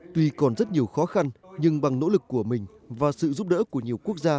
tuy còn rất nhiều khó khăn nhưng bằng nỗ lực của mình và sự giúp đỡ của nhiều quốc gia